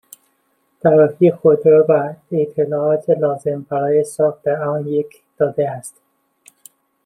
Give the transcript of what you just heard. طراحی خودرو و اطلاعات لازم برای ساخت آن یک داده است